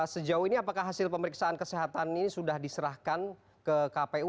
sejauh ini apakah hasil pemeriksaan kesehatan ini sudah diserahkan ke kpu